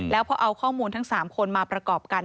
แล้วพอเอาข้อมูลทั้ง๓คนมาประกอบกัน